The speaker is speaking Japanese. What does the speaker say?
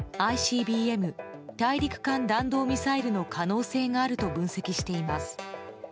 ＩＣＢＭ・大陸間弾道ミサイルの可能性があると分析しています。